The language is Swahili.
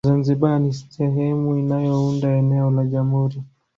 Zanzibar ni sehemu inayounda eneo la Jamhuri